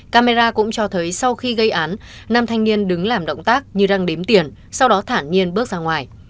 camera cũng cho thấy sau khi gây án nam thanh niên đứng làm động tác nhưng đang đếm tiền sau đó thản nhiên bước ra ngoài